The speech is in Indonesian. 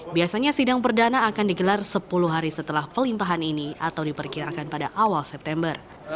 biasanya sidang perdana akan digelar sepuluh hari setelah pelimpahan ini atau diperkirakan pada awal september